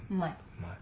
うまい。